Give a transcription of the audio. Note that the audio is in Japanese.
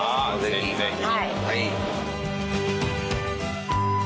ぜひぜひ。